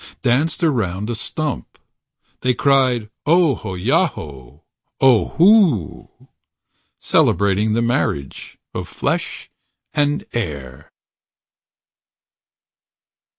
Danced around a stump. They cried, "Ohoyaho, Ohoo" ... Celebrating the marriage Of flesh and air.